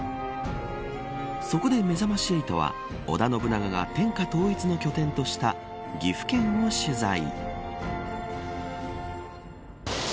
そこで、めざまし８は織田信長が天下統一の拠点とした岐阜県を取材。